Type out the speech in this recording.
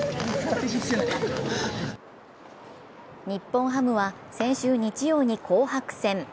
日本ハムは先週日曜に紅白戦。